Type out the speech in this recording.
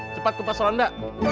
cepat ke pasaronda